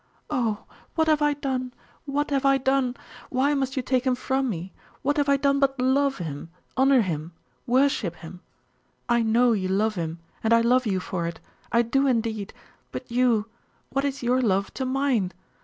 'Oh, what have I done what have I done? Why must you take him from me? What have I done but love him, honour him, worship him? I know you love him; and I love you for it. I do indeed! But you what is your love to mine?